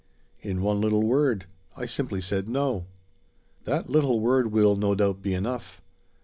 "In one little word. I simply said no." "That little word will, no doubt, be enough.